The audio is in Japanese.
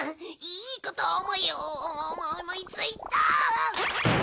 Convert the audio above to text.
いいこと思い思いついたああ！